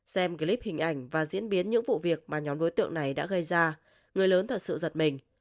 xem clip hình ảnh và diễn biến những vụ việc mà nhóm đối tượng này đã gây ra người lớn thật sự giật mình